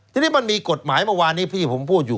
ทีนี้มันมีกฎหมายเมื่อวานนี้พี่ผมพูดอยู่